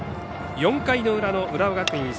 ４回の裏の浦和学院。